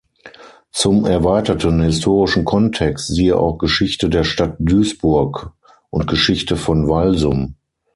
Zum erweiterten historischen Kontext siehe auch "Geschichte der Stadt Duisburg" und "Geschichte von Walsum".